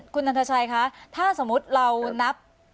คุณนันทชัยคะถ้าสมมุติเรานับ